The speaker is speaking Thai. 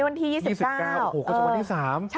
วันที่สาม